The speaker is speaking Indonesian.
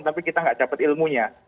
tapi kita nggak dapat ilmunya